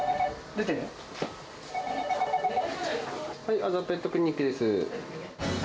麻布ペットクリニックです。